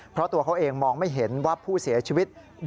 เพราะตัวเขาเองมองไม่เห็นว่าผู้เสียชีวิต